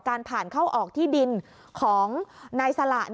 ผ่านเข้าออกที่ดินของนายสละ